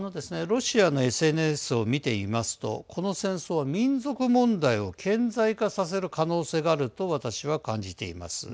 ロシアのＳＮＳを見てみますと、この戦争は民族問題を顕在化させる可能性があると私は感じています。